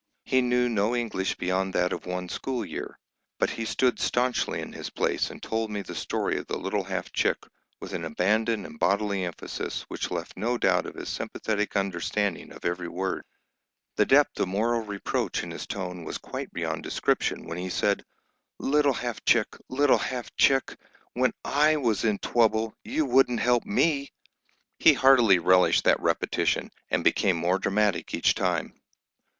He knew no English beyond that of one school year. But he stood staunchly in his place and told me the story of the Little Half Chick with an abandon and bodily emphasis which left no doubt of his sympathetic understanding of every word. The depth of moral reproach in his tone was quite beyond description when he said, "Little Half Chick, little Half Chick, when I was in trubbul you wouldn't help me!" He heartily relished that repetition, and became more dramatic each time.